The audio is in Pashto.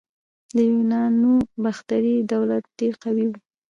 د یونانو باختري دولت ډیر قوي و